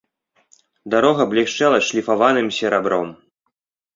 Дарога блішчэла шліфаваным серабром.